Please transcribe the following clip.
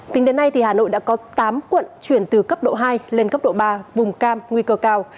tính đến nay hà nội đã có tám quận chuyển từ cấp độ hai lên cấp độ ba vùng cam nguy cơ cao